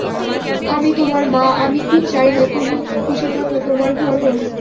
আমি তোমার মা আমি কি চাই না তুমি খুশি থাকো তোমার ঘর হউক।